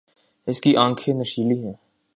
اس کی آنکھیں نشیلی ہیں۔